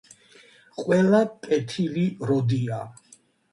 ყველა კეთილი როდია